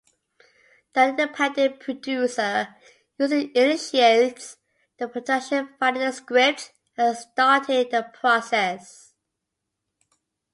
The independent producer usually initiates the production-finding the script and starting the process.